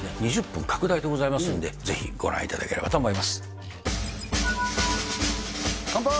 ２０分拡大でございますんでぜひご覧いただければと思います乾杯！